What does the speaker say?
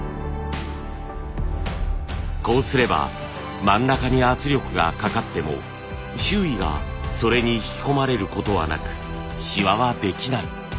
こうすれば真ん中に圧力がかかっても周囲がそれに引き込まれることはなくシワはできない。